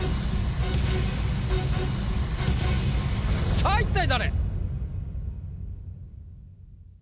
さぁ一体誰？